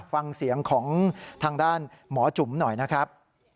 ฟังเสียงของทางด้านหมอจุ๋มหน่อยนะครับ